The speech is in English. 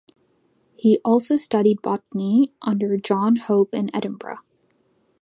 He also studied botany under John Hope in Edinburgh.